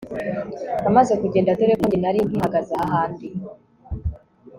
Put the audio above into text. Amaze kugenda dore ko njye nari nkihagaze hahandi